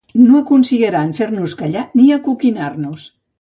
No aconseguiran fer-nos callar, ni acoquinar-nos.